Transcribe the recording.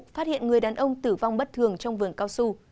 phát hiện người đàn ông tử vong bất thường trong vườn cao su